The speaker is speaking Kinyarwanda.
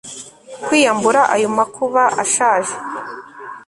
kwiyambura ayo makuba ashaje